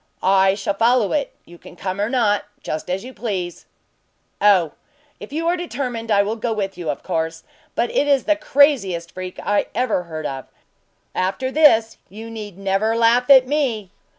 "I shall follow it! You can come or not, just as you please." "Oh! if you are determined, I will go with you, of course; but it is the craziest freak I ever heard of. After this, you need never laugh at me."